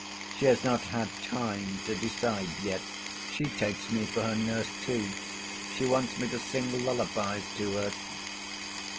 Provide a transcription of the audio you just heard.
She has not had time to decide yet. She takes me for her nurse, too. She wants me to sing lullabies to her."